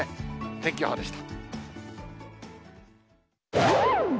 天気予報でした。